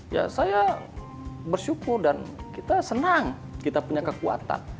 ya saya bersyukur dan kita senang kita punya kekuatan